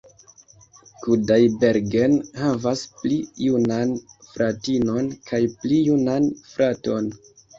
Kudaibergen havas pli junan fratinon kaj pli junan fraton.